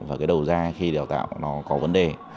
và cái đầu ra khi đào tạo nó có vấn đề